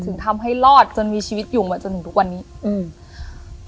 ถึงทำให้รอดจนมีชีวิตอยู่มาจนถึงทุกวันนี้อืม